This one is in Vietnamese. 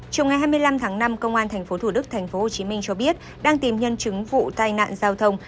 chủng ngày hai mươi năm tháng năm công an thành phố thủ đức tp hcm cho biết đang tìm nhân chứng vụ tai nạn giao thông